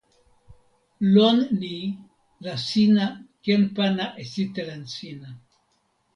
lon ni la sina ken pana e sitelen sina.